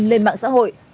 lên mạng xã hội